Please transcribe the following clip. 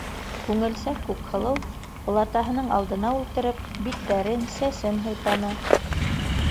- Күңелсәк Күкһылыу олатаһының алдына ултырып, биттәрен, сәсен һыйпаны.